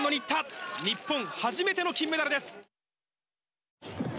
日本初めての金メダルです！